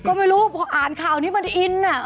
ก็ไม่รู้พออ่านข่าวนี้มันอินอ่ะ